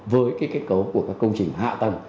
với cái kết cấu của các công trình hạ tầng